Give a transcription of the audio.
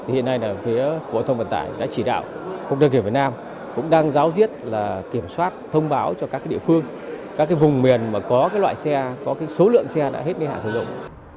thì hiện nay là phía bộ giao thông vận tải đã chỉ đạo cũng đơn kiểm việt nam cũng đang giáo riết là kiểm soát thông báo cho các địa phương các vùng miền mà có loại xe có số lượng xe đã hết niên hạn sử dụng